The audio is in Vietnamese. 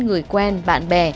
người quen bạn bè